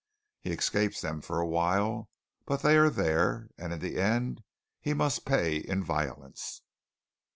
He escapes them for a while, but they are there; and in the end he must pay in violence."